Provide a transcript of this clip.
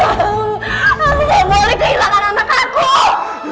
aku pengen oleh kehilangan anak aku